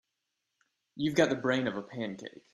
You've got the brain of a pancake.